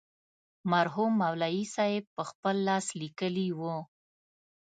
مرحوم مولوي صاحب پخپل لاس لیکلې وه.